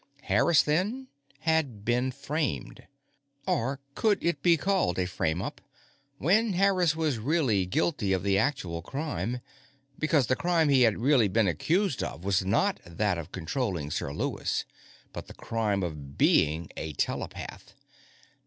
Harris, then, had been framed. Or could it be called a frame up when Harris was really guilty of the actual crime? Because the crime he had really been accused of was not that of controlling Sir Lewis, but the crime of being a telepath.